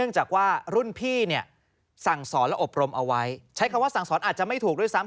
ใช้คำว่าสั่งสอนอาจจะไม่ถูกด้วยซ้ำ